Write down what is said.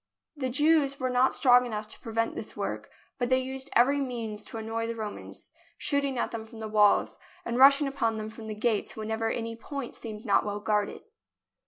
The Jews were not strong enough to prevent this work, but they used every means to annoy the Romans, shooting at them from the walls, and rushing upon them from the gates whenever any point seemed not well guarded.